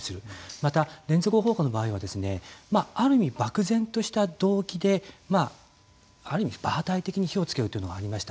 また連続放火の場合はある意味、漠然とした動機である意味場当たり的に火をつけようというのがありました。